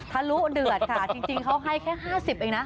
ทะลุเดือดค่ะจริงเขาให้แค่๕๐เองนะ